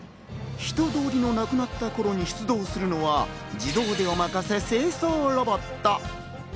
人通りがなくなった頃に出動するのが自動でおまかせ清掃ロボット。